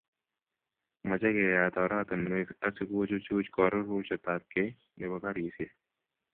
Mochei keyat oratinwek asikochuchuch karuruchetabkei nebo garisiek